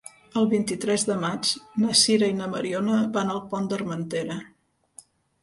El vint-i-tres de maig na Sira i na Mariona van al Pont d'Armentera.